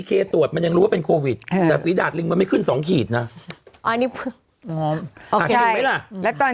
คุยกันแบบคุยง่าย